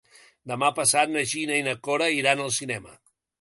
Demà passat na Gina i na Cora iran al cinema.